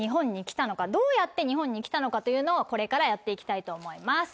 どうやって日本に来たのかというのをこれからやって行きたいと思います。